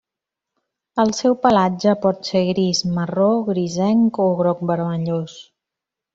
El seu pelatge pot ser gris, marró grisenc o groc vermellós.